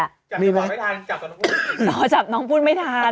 จับน้องพูนไม่ทันจับน้องพูนไม่ทัน